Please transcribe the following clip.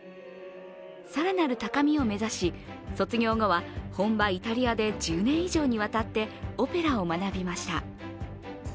更なる高みを目指し、卒業後は本場イタリアで、１０年以上にわたって、オペラを学びました。